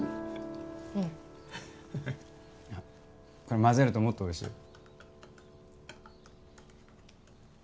うんこれ混ぜるともっとおいしいよ